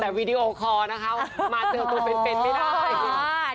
แต่วีดีโอคอร์นะคะมาเจอตัวเป็นไม่ได้